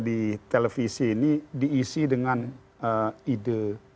di televisi ini diisi dengan ide